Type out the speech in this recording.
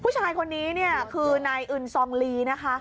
ผู้ชายคนนี้เนี่ยคือนายอึนซองลีนะคะ